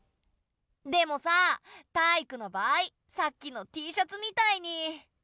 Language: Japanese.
でもさタイイクの場合さっきのＴシャツみたいに。